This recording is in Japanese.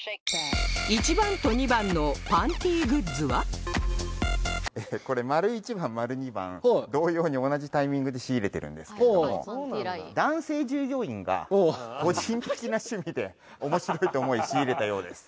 １番と２番のこれ丸１番丸２番同様に同じタイミングで仕入れてるんですけども男性従業員が個人的な趣味で面白いと思い仕入れたようです。